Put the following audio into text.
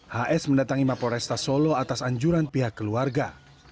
hs mendatangi mapol resta solo atas anjuran pihak keluarga